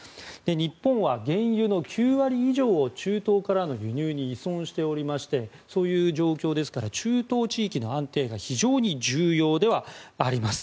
日本は原油の９割以上を中東からの輸入に依存しておりましてそういう状況ですから中東地域の安定が非常に重要ではあります。